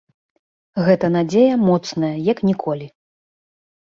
Гэтая надзея моцная як ніколі.